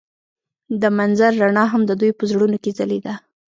د منظر رڼا هم د دوی په زړونو کې ځلېده.